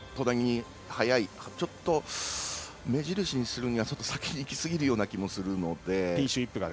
ちょっと目印にするにはちょっと先にいきすぎる気もするので。